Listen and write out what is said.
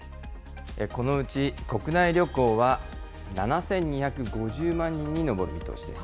このうち、国内旅行は７２５０万人に上る見通しです。